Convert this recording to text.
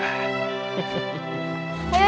ayo dibeli susunya